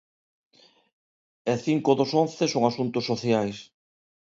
E cinco dos once son asuntos sociais.